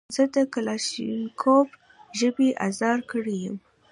زه د کلاشینکوف ژبې ازار کړی یم.